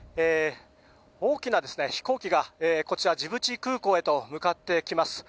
大きな飛行機が、こちらジブチ空港へと向かってきます。